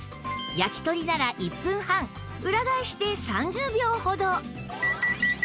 焼き鳥なら１分半裏返して３０秒ほど